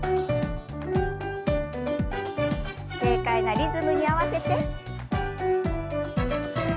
軽快なリズムに合わせて。